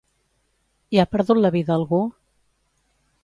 Hi ha perdut la vida algú?